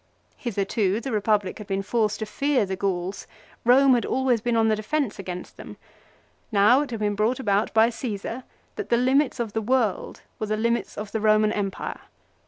2 Hitherto the Eepublic had been forced to fear the Gauls. Rome had always been on the defence against them. Now it had been brought about by Caesar that the limits of the world were the limits of the Roman empire.